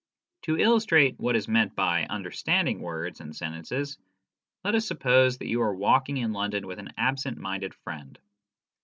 To illustrate what is meant by " understanding " words and c 2 20 BERTRAND RUSSELL. sentences, let us suppose that you are walking in London with an absent minded friend.